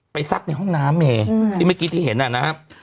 ซักในห้องน้ำเมที่เมื่อกี้ที่เห็นนะครับ